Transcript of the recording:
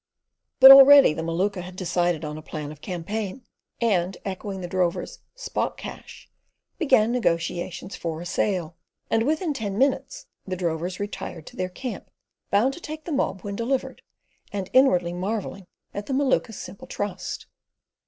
But already the Maluka had decided on a plan of campaign and, echoing the drover's "Spot Cash," began negotiations for a sale; and within ten minutes the drovers retired to their camp, bound to take the mob when delivered, and inwardly marvelling at the Maluka's simple trust.